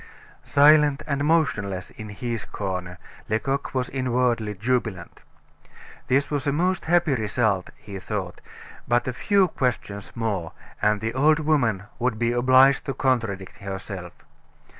Silent and motionless in his corner, Lecoq was inwardly jubilant. This was a most happy result, he thought, but a few questions more, and the old woman would be obliged to contradict herself.